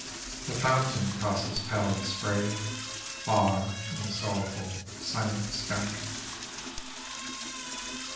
The fountain tosses pallid spray Far in the sorrowful, silent sky.